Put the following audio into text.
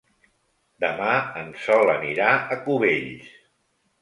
Demà en Sol anirà a Cubells.